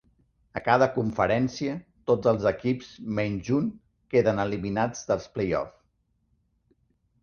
A cada conferència, tots els equips menys un queden eliminats dels play-off.